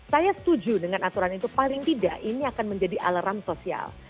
saya setuju dengan aturan itu paling tidak ini akan menjadi alarm sosial